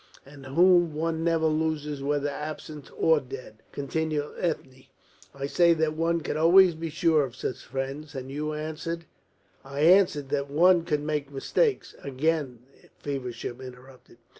"And whom one never loses whether absent or dead," continued Ethne. "I said that one could always be sure of such friends, and you answered " "I answered that one could make mistakes," again Feversham interrupted.